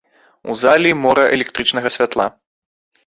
У залі мора электрычнага святла.